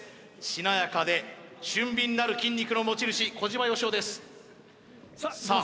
しなやかで俊敏なる筋肉の持ち主小島よしおですさあ